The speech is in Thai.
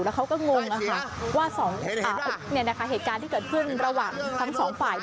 แล้วเขาก็งงว่าเหตุการณ์ที่เกิดขึ้นระหว่างทั้งสองฝ่าย